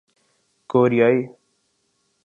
کوریائی